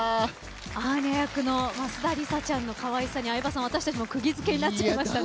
アーニャ役の増田梨沙ちゃんの可愛さに私たちも釘付けになっちゃいましたね。